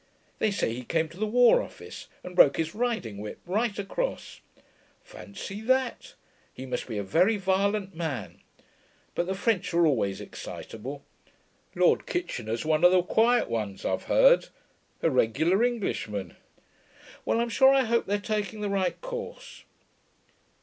They say he came to the War Office and broke his riding whip right across.' 'Fancy that! He must be a very violent man. But the French are always excitable. Lord Kitchener's one of the quiet ones, I've heard. A regular Englishman.... Well, I'm sure I hope they're taking the right course....